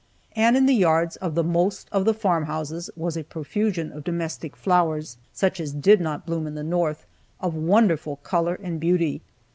And in the yards of the most of the farm houses was a profusion of domestic flowers, such as did not bloom in the north, of wonderful color and beauty.